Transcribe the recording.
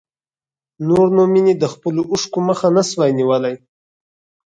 نور نو مينې د خپلو اوښکو مخه نه شوای نيولی.